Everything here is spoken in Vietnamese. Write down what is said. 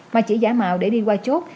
mà chỉ giả mạo để đi qua chốt